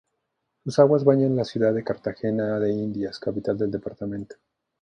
Sus aguas bañan a la ciudad de Cartagena de Indias, capital del departamento.